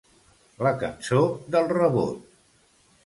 La cançó del rebot.